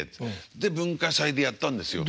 で文化祭でやったんですよ。